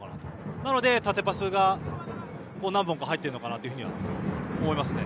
なので、縦パスが何本も入っているのかなと思いますね。